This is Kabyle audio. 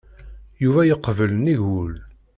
Yuba yeqbel nnig wul.